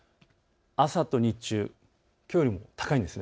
朝と日中、きょうよりも高いんです。